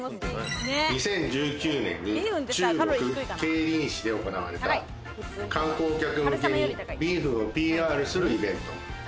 ２０１９年に中国桂林市で行われた観光客向けにビーフンをＰＲするイベント。